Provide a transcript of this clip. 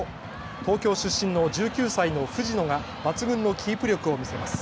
東京出身の１９歳の藤野が抜群のキープ力を見せます。